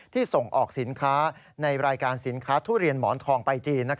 ส่งออกสินค้าในรายการสินค้าทุเรียนหมอนทองไปจีน